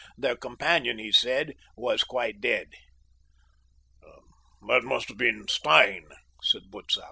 Their companion, he said, was quite dead. "That must have been Stein," said Butzow.